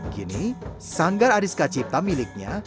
kini sanggar ariska cipta miliknya